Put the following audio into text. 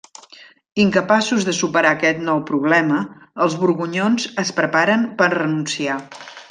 Incapaços de superar aquest nou problema, els borgonyons es preparen per renunciar.